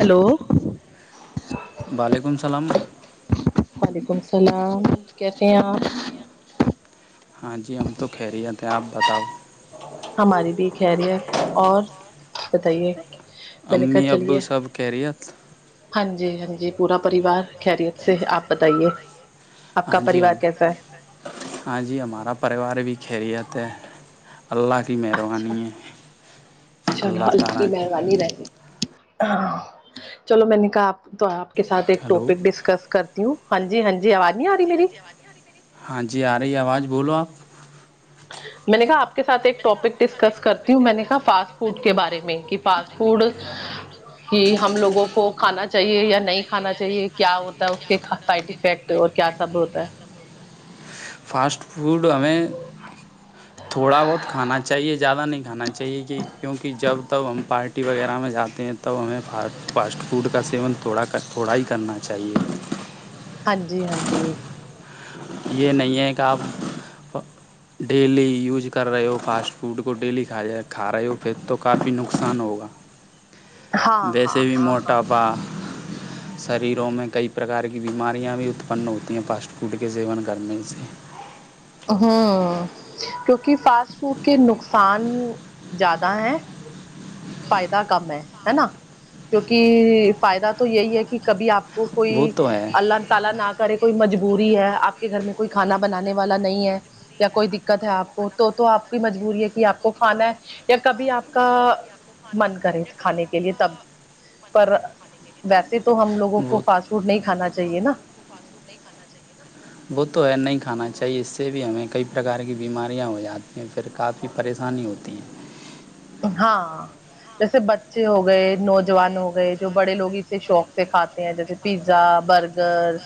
hello س وعلیکم السلام کیسے ہیں آپ ہاں جی ہم تو خیریت ہیں آپ بتاؤ ہماری بھی خری ہے اور بتائیے میں نے کہا امی ابو چلیے سب کہ رہت ہاں جی ہاں جی پورا پریوار خیریت سے آپ بتائیے آپ کا ہاں جی پریوار ہم کیسا ہے ہاں جی ہمارا پریوار بھی خیریت ہے اللہ [inaudible] اچھا چلو اللہ کی مہربانی رہ گی ہاں چلو میں نے کہا آپ تو آپ کے ساتھ ایک ہلو ٹاپک ڈسکس کرتی ہوں ہاں جی ہاں جی آواز نہیں آ رہی میری ہاں جی آ رہی ہے آواز بولو آپ میں نے کہا آپ کے ساتھ ایک ٹاپک ڈسکس کرتی ہوں میں نے کہا فاسٹ فوڈ کے بارے میں کہ فاسٹ فوڈ کہ ہم لوگوں کو کھانا چاہیے یا نہیں کھانا چاہیے کیا ہوتا ہے اس کے سائڈ افیکٹ اور کیا سب ہوتا ہے فاسٹ فوڈ ہمیں تھوڑا بہت کھانا چاہیے زیادہ نہیں کھانا چاہیے کہ کیونکہ جب تب ہم پارٹی وغیرہ میں جاتے ہیں تب ہمیںا فاسٹ فوڈ کا سیون تھوڑا تھوڑا ہی کرنا چاہیے ہاں جی ہاں جی یہ نہیں ہے کہ آپ ڈیلی یوز کر رہے ہو فاسٹ فوڈ کو ڈیلی کھا کھا رہے ہو پھر تو کافی نقصان ہوگا ہاں ہاں ویسے بھی ہاں ہاں موٹاپا شریروں میں کئی پرکار کی بیماریاں بھی اتپن ہوتی ہیں فاسٹ فوڈ کے سیون گرمی سے ہاں تو کہ فاسٹ فوڈ کے نقصان زیادہ ہیں فائدہ کم ہے ہے نا کیکہ فائدہ تو یہی ہے کہ کبھی آپ وہ کوئی تو ہے اللہ تعالا نہ کرے کوئی مجب بوری ہے آپ کے گھر میں کوئی کھانا بنانے والا نہیں ہے یا کوئی دقت ہے آپ کو تو تو آپ کی مجبوری ہے کہ آپ کو کھانا ہے یا کبھی آپ کا من کرے کھانے کے لیے تب پر ویسے تو ہم لووں کو وہ فاسٹ فوڈ نہیں کھانااہیے چاہیے نا وہ تو ہے نہیں کھانا چاہیے اس سے بھی ہمیں کئی پرکار کی بیماریاں ہو جاتی ہیں پھر کافی پریشانی ہوتی ہیں ہاں جیسے بچے ہو گئے نوجوان ہو گئے جو بڑے لوگ اسے شوق سے کھاتے ہیں جیسے پیزا برگر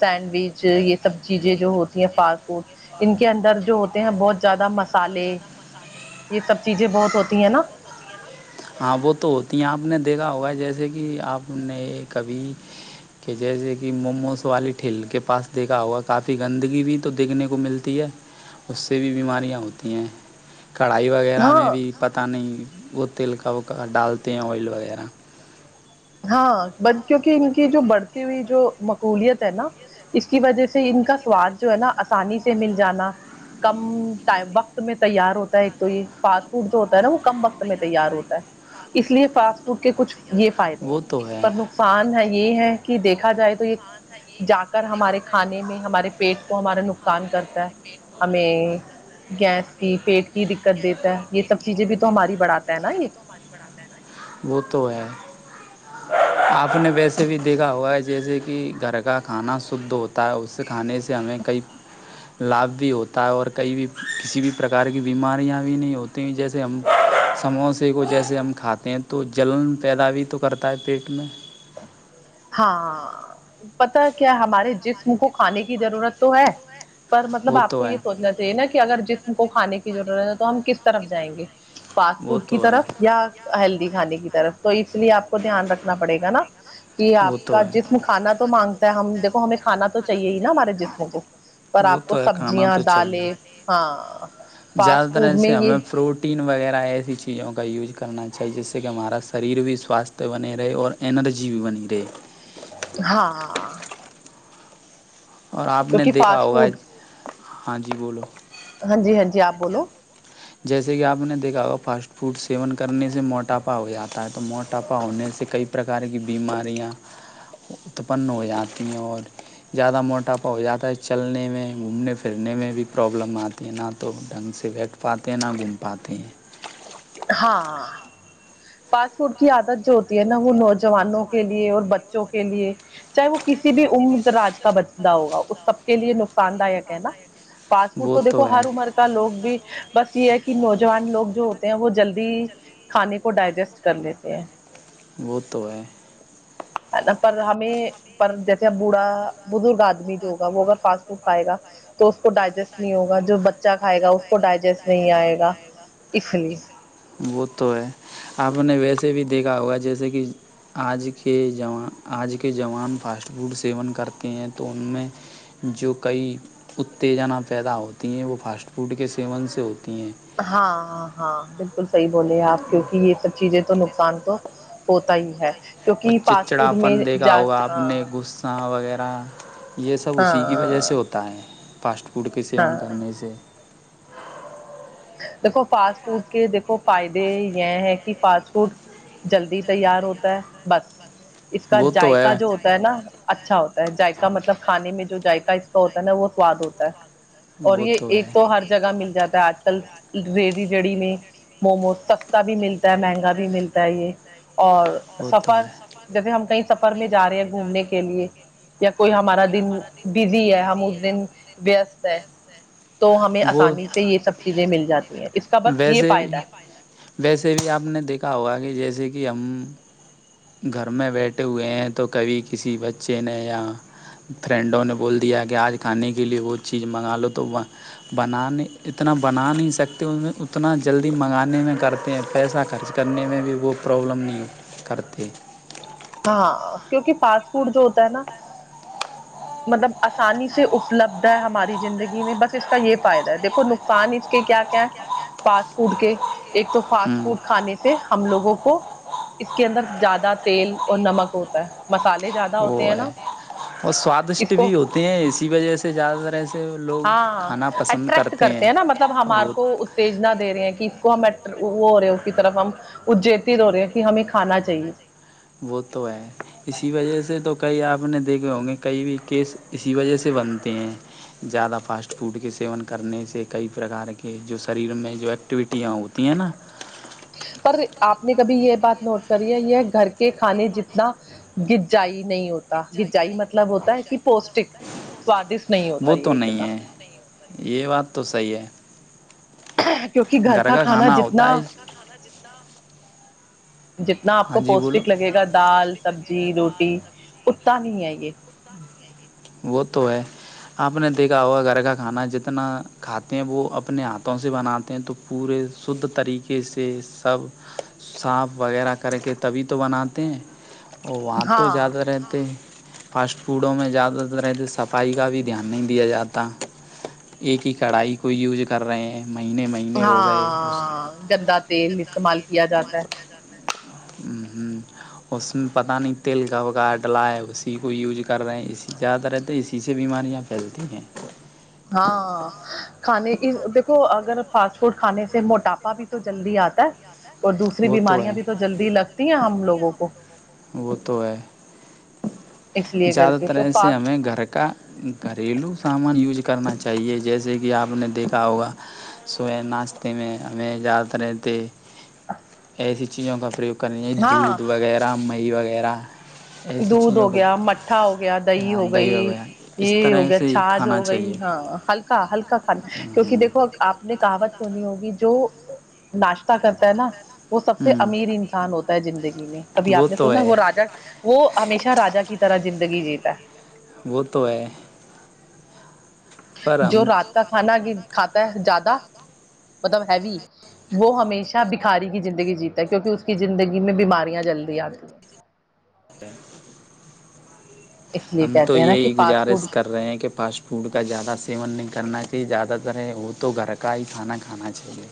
سینڈوچ یہ سب چیزیں جو ہوتی ہیں فاسٹ فوڈ ان کے اندر جو ہوتے ہیں بہت زیادہ مسالے یہ سب چیزیں بہت ہو ت ہے نا [unintelligible] ہاں وہ تو ہوتی ہیں آپ نے دیکھا ہوگا جیسے کہ آپ نے کبھی کہ جیسے کہ موموز والی ٹل کے پاس دیکھا ہوا کافی گندگی بھی تو دیکھنے کو ملتی ہے اس سے بھی بیماریاں ہوتی ہیں کڑھائی وغیرہ میں ہاں بھی پتہ نہیں وق [unintelligible] تل کا وہ کا ڈالتے ہیں آئل وغیرہ ہاں ب کیونکہ ان کی جو بڑھتی ہوئی جو مقبولیت ہے نا اس کی وجہ سے ان کا سواد جو ہے نا آسانی سے مل جانا کم ٹ وقت میں تیار ہوتا ہے ایک تو یہ فاسٹ فڈ جو ہوتا ہے نا وہ کم وقت میں تیار ہوتا ہے اس لیے فاسٹ فوڈ کے کچھ یہ فائد وہ تو ہے پر نقصان ہے یہ ہے کہ دیکھا جائے تو یہ جا کر ہمارے کھانے میں ہمارے پیٹ کو ہمارا نقصان کرتا ہے ہمیں گیس کہ پیٹ کی دقت دیتا ہے یہ سب چیزیں بھی تو ہماری بڑھاتا ہے نا یہ وہ تو ہے آپ نے ویسے بھی دیکھا ہوا ہے جیسے کہ گھر کا کھانا شھ ہوتا ہے اس سے کھانے سے ہمیں کئی لابھ بھی ہوتا ہے اور کئی بھی کسی بھی پرک کی بیماریاں بھی نہیں ہوتی جیسے ہم سموسے کو جیسے ہم کھاتے ہیں تو جلن پیدا بھی تو کرتا ہے پیٹ میں ہاں پتا کیا ہمارے جسم کو کھانے کی ضرورت تو ہے پر مطلب وہ آپ کو تو ہے یہ سوچنا چاہے نا کہ اگر جسم کو کھان کی ضرورت ہے تو ہم کس طرف جائیں گے فاسٹ فوڈ کی طرف یا ہیلدی کھانے کی طرف طرف تو اس لیے آپ کو دھیان رکھنا پڑےا نا کہ آپ کا جسم کھانا تو مانگتا ہے ہم دیکھو ہمیں کھانا تو چاہیے ہمارے جسموں کو پر وہ آپ کو تو ہے کھانا سبزیاں تو دالیں ہاں زیادہ فاسٹ تر فوڈ میں ایسے یہ ہمیں پروٹین وغیرہ ایسی چیزوں کا یوز کرنا چاہیے جس سے کہ ہمارا شریر بھی سواستھ بنے رہے اور ارجی بھی بنی رہے ہاں اور آپ نے کیونکہ دیکھا فاسٹ ہوگا فوڈ ہاں جی بولو ہاں جی ہاں جی آپ بولو جیسے کہ آپ نے دیکھا ہوگا فاسٹ فوڈ سیون کرنے سے موٹاپا ہو جاتا ہے تو موٹاپا ہونے سے کئی پرکار کی بیماریاں اتپن ہو جاتی ہیں اور زیادہ موٹاپا ہو جاتا ہے چلنے میں گھومنے پھرنے میں بھی پرابلم آتی ہے نہ تو ڈھنگ سے وٹ پاتیں ہیں نہا گن پاتے ہیں ہاں فاسٹ فوڈ کی عادت جو ہوتی ہے نا وہ نوجوانوں کے لیے اور بچوں کے لیے چاہے وہ کسی بھی عمرراج کا بندہ ہوگا اس سب کے لیے نقصان ہے نا فاسٹ فوڈ وہ تو دیکو ہے ہر عمر کا لوگ بھی بس یہ ہے کہ نوجوان لوگ جو ہوتے ہیں وہ جلدی کھانے کو ڈائجسٹ کر لیتے ہیں بوتوئے یا بوڑا بزرگ آدمی جو ہوگا وہ اگر فاسٹ فوڈ پائے گا تو کو ڈائجسٹ نہیں ہوگا جو بچہ کھائے گا اس کو ڈائجسٹ نہیں آئے گا اس لیے وہ تو ہے آپ نے سے بھی دیکھا ہوگا جیسے کہ آج کے آج کے جوان فاسٹ فوڈ سیون کرتے ہیں تو ان میں جو کئی اتےجنا پیدا ہوتی ہیں وہ فاسٹ فوڈ کے سیون سے ہوتی ہیں ہاں ہاں ہاں بالکل بالکل صحیح بولے آپ کیوںکہ یہ سب چیزیں تو نقصان تو ہوتا ہی ہے اور کیونکہ فاسٹ فوڈ میں چچڑاپن دیکھا جا ہوگا آپ نے ہاں غصہ وغیرہ یہ سب اسی کی وجہ ہاں سے ہوتا ہے فاسٹ فوڈ کے سیون ہاں کرنے سے دیکھو فاسٹ فوڈ کے دیکھو فائدے یہ ہے کہ فاسٹ فوڈ جلدی تیار ہوتا ہے بس اس کا وہ تو جذائقا جو ہوتا ہے نا اچھا ہوتا ہے جائق کا مطلب کھانے میں جو جذائقا اس کا ہوتا ہے نا وہ سواد ہوتا ہے اور یہ ایک تو ہر جگہ مل جاتا [unintelligible] [unintelligible] یہ [unintelligible] تو وہ [inaudible] جاتی ہیں اس کا بس یہ فائدہ ہے [inaudible] [inaudible] [unintelligible] [inaudible] [unintelligible] [unintelligible] وہ [inaudible] اس کو [unintelligible] کھانا پسند کرتے ہیں وہ [unintelligible] [unintelligible] [unintelligible] [unintelligible] پر آپ نے کبھی یہ [unintelligible] وہ تو نہیں ہے یہ بات تو صحیح ہے [unintelligible] گھر کا کھانا ہوتا ہے [unintelligible] ہاں جی بولو [unintelligible] [unintelligible] وہ تو ہے اپ نے دیکھا ہوگا گھر کا کھانا جتنا او وہاں تو ہاں جاد رہتے ہیں فاسٹ فوڈوں میں زیادہ تر ہے تو صفائی کا بھی دھیان نہیں دیا جاتا ایک ہی کڑائی کو یوز کر رہے ہیں مہینے مہینے ہو گئے اس گندا تیل استعمال کیا جاتا ہے اس میں پتہ نہیں تیل کا ڈلا ہے اسی کو یوز کر رہے ہیں اسی یاد رہتا ہے اسی سے بیماریاں پھیلتی ہیں ہاں کھانے دیکھو [unintelligible] اور دوسری وہ بیماریاں ہے بھی تو جلدی لگتی ہیں ہم لوگوں کو وہ تو اس لیے کر زیادہ کے تر تو ان سے پاس ہمیں گھر کا گھریلو سامان کرنا چاہیے جیسے کہ اپ نے دیکھا ہوگا ناشتے میں ہمیں اجازت نہیں دی ایسی چیزوں کا پرریوگ کر ہاں دودھ وغیرہ مہ وغیرہ ایسی دودھ چیزوں ہو کو گیا م کھا ہو گیا دہی ہو گئی وغیرہ اس یہ ہو طرح گیا سے ہی چھاچھ ہو کھانا گئی چاہیے ہاں ہلکا ہلکا کھانا کرنا کیونکہ ہے، دیکھو آپ نے کہاوت سنی ہوگی جو وہ ناشتہ کرتا ہے نا وہ سب سے امیر انسان ہوتا ہے زندگی میں سے کبھی وہ آپ نے تو سنا ہے وہ راجا ہمیشہ را کی طرح زندگی جیتا ہے گتو ہے پر جو ہم رات کا کھانا گ کھاتا ہے زیادہ مطلب ہیوی وہ ہمیشہ بکھاری کی زندگی جیتا ہے کیونکہ اس کی زندگی میں بیماریاں جلدی آتی ہیں تا ہے اس لیے ہم تو کہتے ہیں نا کہ یہی فاسٹ گزارش فوڈ کر رہے ہیں کہ فاسٹ فوڈ کا زیادہ سیون نہیں کرنا زیادہ تر ہے وہ تو گھر کا ہی کھانا کھانا چاہیے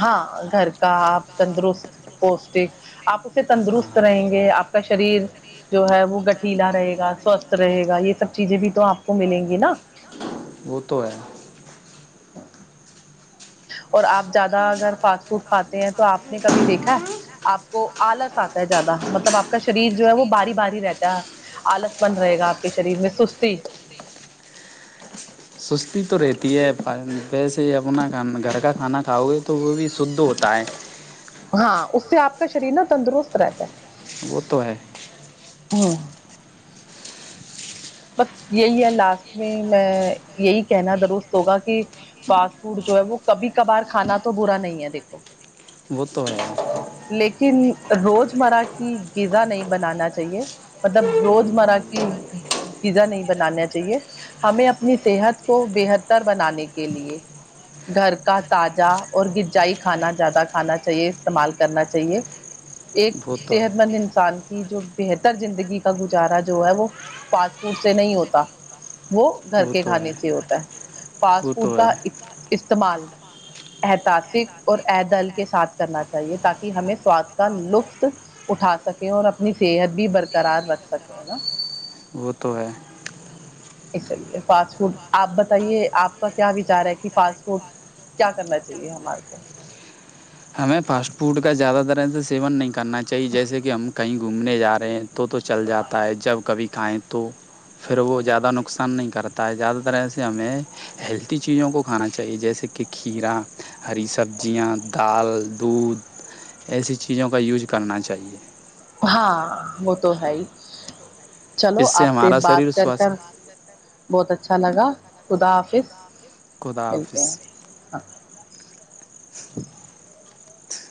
ہاں گھر کا آپ تندرست پوشٹک آپ اس سے تندرست رہیں گے آپ کا شریر جو ہے وہ گٹھیلا رہے گا سوستھ رہے گا یہ سب چیزیں بھی تو آپ کو ملیں گی نا وہ تو ہے اور آپ زیادہ اگر فاسٹ فوڈ کھاتے ہیں تو آپ نے کبھی دیکھا ہے آپ کو آلس آتا ہے زیادہ مطلب آپ کا شریر جو ہے وہ باری باری رہتا ہے آلس بن رہے گا آپ کے شریر میں سستی سستی تو رہتی ہے ویسے ہی اپناانا گھر کا کھانا کھاؤ گے تو وہ بھی شدھ ہوتا ہے ہاں اس سے آپ کا شریر نا تندرست رہتا ہے وہ تو ہے ہاں بس یہی ہے لاسٹ میں میں یہی کہنا درست ہوگا کہ فاسٹ فوڈ جو ہے وہ کبھی کبھار کھانا تو برا نہیں ہے دیکھو وہ تو ہے لیکن روزمرہ کی غذا نہیں بنانا چاہیے مطلب روز مرہ کی چیزا نہیں بنانا چاہیے ہمیں اپنی صحت کو بہتر بنانے کے لیے گھر کا تازہ اور غجائی کھانا زیادہ کھانا چاہیے استعمال کرنا چاہیے ایک وہ تو ہے صحت مند انسان کی جو بہتر زندگی کا گزارا جو ہے وہ پچ چوٹ سے نہیں ہوتا وہ گھر کے تو کھانے ہے سے ہوتا ہے وہ فاسٹ فوڈ تو ہے کا استعمال احتاسک اور ادل کے ساتھ کرنا چاہیے تاکہ ہمیں سواد کا لطف اٹھا سکیں اور اپنی صحت بھی برقرار رکھ سکیں نا وہ تو ہے اس لیے فاسٹ فوڈ آپ بتائیے آپ کا کیا وچار ہے کہ فاسٹ فوڈ کیا کرنا چاہیے ہمارے کو ہمیں فاسٹ فوڈ کا زیادہ ترح سے سیون نہیں کرنا چاہیے جیسے کہ ہم کہیں گھومنے جا رہے ہیں تو تو چل جاتا ہے جب کبھی کیں تو پھر وہ زیادہ نقصان نہیں کرتا ہے زیادہ ترح سے ہمیں ہیلتھی چیزوں کو کھانا چاہیے جیسے کہ کھیرا ہری سبزیاں پل دودھ ایسی چیزوں کا یوز کرنا چاہیے ہاں وہ تو ہے ہی چلو اس آپ سے ہمارا شریر بات کر کر سوستھ بہت اچھا چلگا خدا آفس خدا ملتے حافظ ہیں ہاں [inaudible] [inaudible]